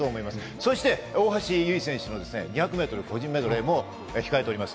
そして大橋悠依選手の２００ｍ個人メドレーも控えております。